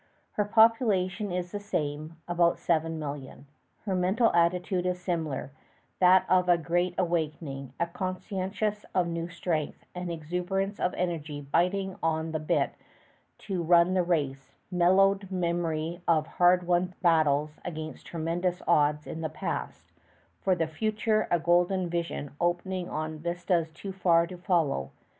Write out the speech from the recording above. Her population is the same, about seven million. Her mental attitude is similar, that of a great awakening, a consciousness of new strength, an exuberance of energy biting on the bit to run the race; mellowed memory of hard won battles against tremendous odds in the past; for the future, a golden vision opening on vistas too far to follow.